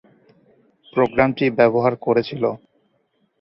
প্রোগ্রামটি ব্যবহার করেছিল।